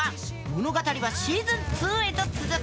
物語はシーズン２へと続く。